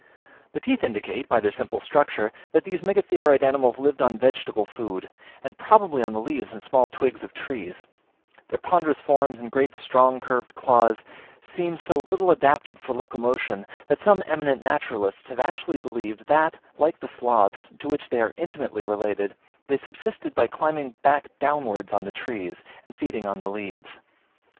The teeth indicate, by their simple structure, that these Megatheroid animals lived on vegetable food, and probably on the leaves and small twigs of trees; their ponderous forms and great strong curved claws seem so little adapted for locomotion, that some eminent naturalists have actually believed, that, like the sloths, to which they are intimately related, they subsisted by climbing back downwards on trees, and feeding on the leaves.